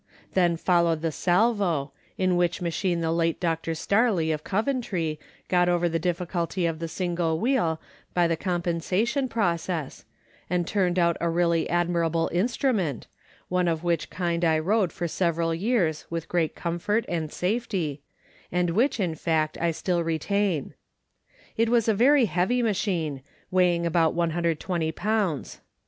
Then followed the " Salvo," in which machine the late Mr. Starley, of Coventry, got over the difficulty of the single wheel by the compensation process, and turned out a really admirable instrument, one of which kind I rode for several years with great comfort and safety, and which, in fact, I still retain. It was a very heavy machine, weighing about 120 pounds.